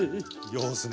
様子ねえ。